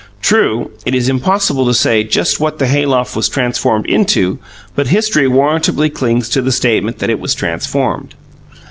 True, it is impossible to say just what the hay loft was transformed into, but history warrantably clings to the statement that it was transformed.